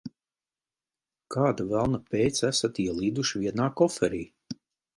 Kāda velna pēc esat ielīduši vienā koferī?